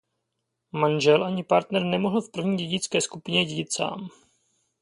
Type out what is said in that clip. Manžel ani partner nemohl v první dědické skupině dědit sám.